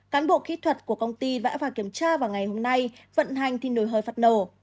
cán bộ kỹ thuật của công ty vã vào kiểm tra vào ngày hôm nay vận hành thì nồi hơi phát nổ